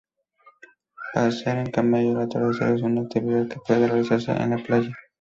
Pasear en camello al atardecer es una actividad que puede realizarse en la playa.